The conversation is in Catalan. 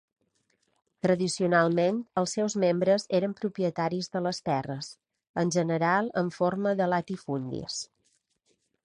Tradicionalment, els seus membres eren propietaris de les terres, en general en forma de latifundis.